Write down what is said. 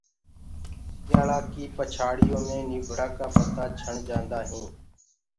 سيآݪآ ڪيٚ پڇاڙيو مي نيٚڀڙآ ڪآ متآ ڇڻ جآنٚدآ هينٚ